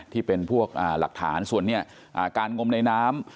ที่เป็นพวกหลักฐานส่วนนี้การงมในน้ำ